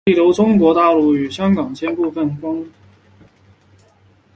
例如中国大陆与香港间部分广九直通车。